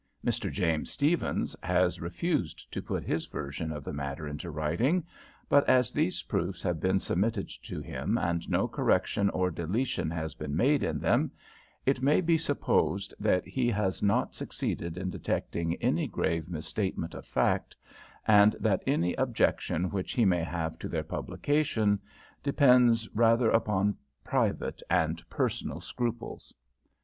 Mr. James Stephens has refused to put his version of the matter into writing, but as these proofs have been submitted to him, and no correction or deletion has been made in them, it may be supposed that he has not succeeded in detecting any grave misstatement of fact, and that any objection which he may have to their publication depends rather upon private and personal scruples.